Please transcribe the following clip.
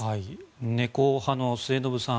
猫派の末延さん